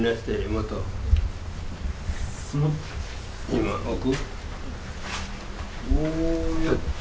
今置く？